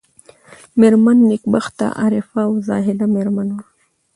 مېرمن نېکبخته عارفه او زاهده مېرمن وه.